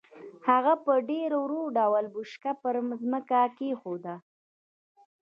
هغه په ډېر ورو ډول بوشکه پر ځمکه کېښوده.